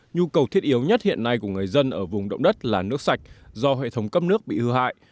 nhu cầu thiết yếu nhất hiện nay của người dân ở vùng động đất là nước sạch do hệ thống cấp nước bị hư hại